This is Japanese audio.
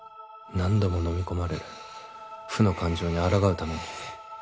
何度も飲み込まれる負の感情に抗うために。